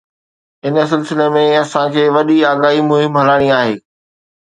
ان سلسلي ۾ اسان کي وڏي آگاهي مهم هلائڻي آهي.